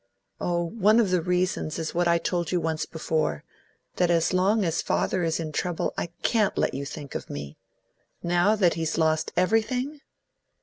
Oh! One of the reasons is what I told you once before, that as long as father is in trouble I can't let you think of me. Now that he's lost everything